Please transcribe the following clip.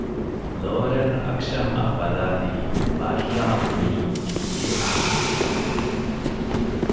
ލޯރެން އަކްޝަމް އަށް ބަލާލީ ބައްރާ ބުނީ ކީކޭކަން ނޭނގުމުން